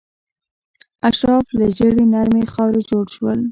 اشراف له ژیړې نرمې خاورې جوړ شول.